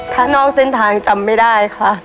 ถ้านอกเส้นทางจำไม่ได้ค่ะ